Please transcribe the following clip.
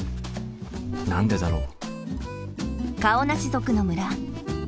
何でだろう？